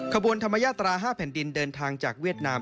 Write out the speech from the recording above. ขบวนธรรมยาตรา๕แผ่นดินเดินทางจากเวียดนาม